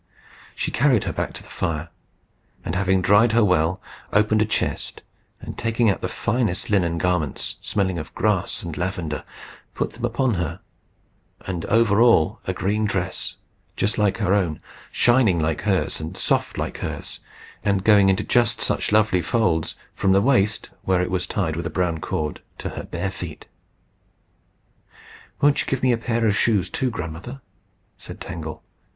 She carried her back to the fire, and, having dried her well, opened a chest, and taking out the finest linen garments, smelling of grass and lavender, put them upon her, and over all a green dress, just like her own, shining like hers, and soft like hers, and going into just such lovely folds from the waist, where it was tied with a brown cord, to her bare feet. "Won't you give me a pair of shoes too, Grandmother?" said Tangle.